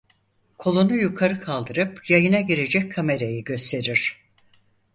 Kolunu yukarı kaldırıp yayına girecek kamerayı gösterir.